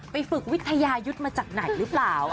ฝึกวิทยายุทธ์มาจากไหนหรือเปล่า